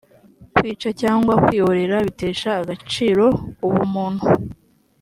kwica cyangwa kwihorera bitesha agaciro ubumuntu